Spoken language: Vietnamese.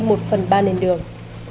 một phần ba nền đường